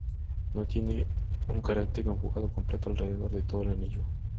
No tienen un carácter conjugado completo alrededor de todo el anillo.